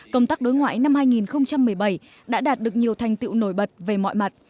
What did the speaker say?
công tác đối ngoại năm hai nghìn một mươi bảy đã đạt được nhiều thành tiệu nổi bật về mọi mặt